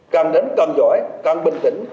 càng đến càng giỏi càng bình tĩnh